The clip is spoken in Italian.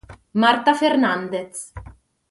Marta Fernández